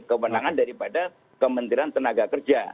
kewenangan daripada kementerian tenaga kerja